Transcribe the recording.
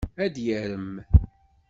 Ad yarem.